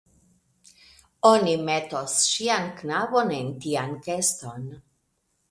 Oni metos ŝian knabon en tian keston.